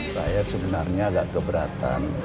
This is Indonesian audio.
saya sebenarnya agak keberatan